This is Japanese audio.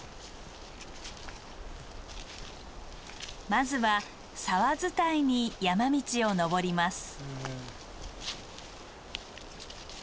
まずは沢伝いに山道を登ります。